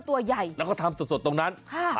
ตัวใหญ่แล้วก็ทำสดตรงนั้นค่ะ